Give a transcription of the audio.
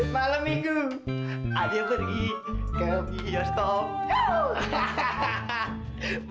malem minggu ane pergi kakabe ya stop